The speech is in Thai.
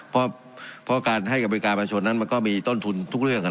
เพราะการให้กับบริการประชาชนนั้นมันก็มีต้นทุนทุกเรื่อง